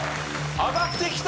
上がってきた。